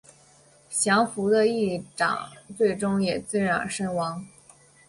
降伏的义长最终也自刃身亡。